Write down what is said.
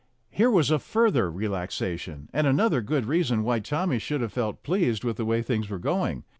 Here was a further relaxation, and another good reason why Tommy should have felt pleased with the way things were going.